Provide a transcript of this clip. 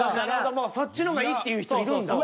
もうそっちの方がいいっていう人いるんだ。